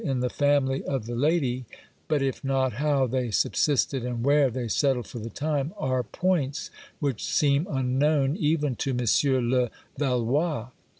X BIOGRAPHICAL AND the family of the lady, but if not how they subsisted and where they settled for the time, are points which seem unknown, even to M. Levallois.